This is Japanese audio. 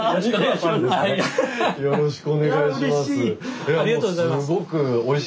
よろしくお願いします。